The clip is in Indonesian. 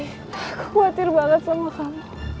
khawatir banget sama kamu